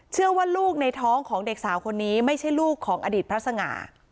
เชื่อว่าลูกในท้องของเด็กสาวคนนี้ไม่ใช่ลูกของอดีตพระสง่า